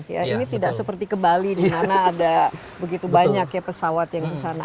ini tidak seperti ke bali di mana ada begitu banyak ya pesawat yang kesana